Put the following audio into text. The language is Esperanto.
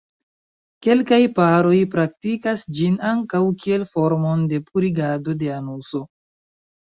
Kelkaj paroj praktikas ĝin ankaŭ kiel formon de purigado de anuso.